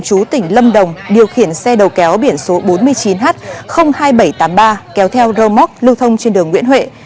chú tỉnh lâm đồng điều khiển xe đầu kéo biển số bốn mươi chín h hai nghìn bảy trăm tám mươi ba kéo theo rơ móc lưu thông trên đường nguyễn huệ